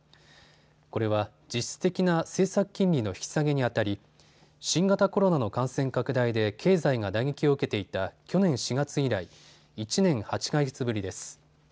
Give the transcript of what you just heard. これは実質的な政策金利の引き下げにあたり新型コロナの感染拡大で経済が打撃を受けていた去年４月以来、１年８か月ぶりです。